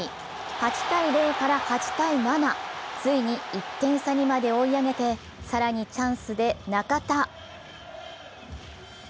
８−０から８−７、ついに１点差にまで追い上げて、更にチャンスで中田。